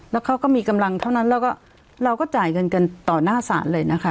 แล้วเขาก็มีกำลังเท่านั้นแล้วก็เราก็จ่ายเงินกันต่อหน้าศาลเลยนะคะ